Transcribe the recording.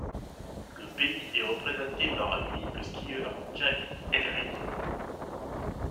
Le pays est représenté par un unique skieur, Jamil El-Reedy.